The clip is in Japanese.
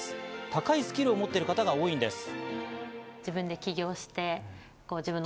高いスキルを持っている方が多いんです。